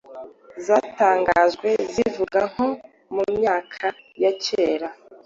zatangajwe zivuga nko mu myaka ya cyera